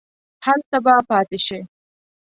هلته به پاتې شې.